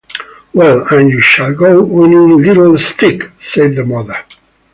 “Well, and you shall go, whining little stick!” said the mother.